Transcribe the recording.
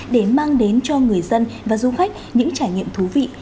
để mang đến cho người dân và du khách những trải nghiệm thú vị